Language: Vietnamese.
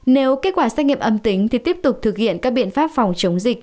nếu kết quả xét nghiệm âm tính thì tiếp tục thực hiện các biện pháp phòng chống dịch